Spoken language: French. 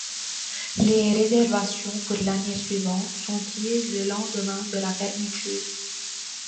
Les réservations pour l'année suivante sont prises le lendemain de la fermeture.